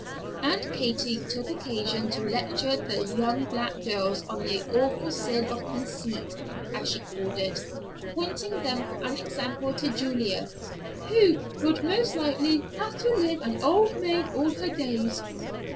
Aunt Katy took occasion to lecture the young black girls on the awful sin of "conceit," as she called it, pointing them for an example to Julia, "who," she said, "would most likely have to live an old maid all her days."